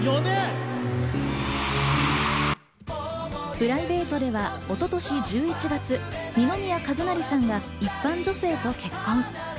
プライベートでは一昨年１１月、二宮和也さんが一般女性と結婚。